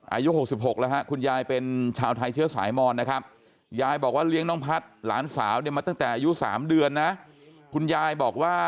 อายุ๖๖นะฮะคุณยายเป็นชาวไทยเชื้อสายมอนนะครับ